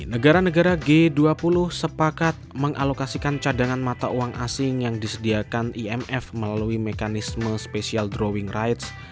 negara negara g dua puluh sepakat mengalokasikan cadangan mata uang asing yang disediakan imf melalui mekanisme special drawing rights